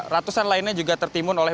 ratusan lainnya juga tertimbun oleh